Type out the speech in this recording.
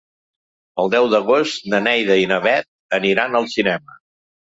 El deu d'agost na Neida i na Bet aniran al cinema.